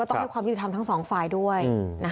แต่มันก็จะให้ทำทั้งสองฝ่ายด้วย